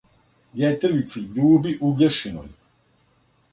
Јетрвици, љуби Угљешиној: